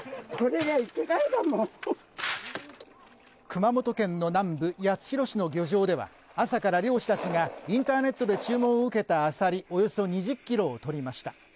熊本県の南部八代市の漁場では朝から漁師たちがインターネットで注文を受けたアサリおよそ２０キロをとりました